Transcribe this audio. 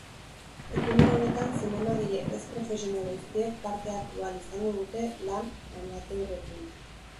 Ekimen honetan zinemagile ez profesional guztiek parte hartu ahal izango dute lan amateurrekin.